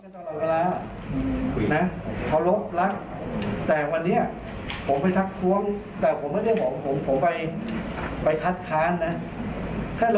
จ้ะครับต่างคนตามหน้าที่ดีครับ